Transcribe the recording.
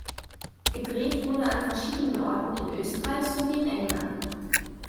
Gedreht wurde an verschiedenen Orten in Österreich sowie in England.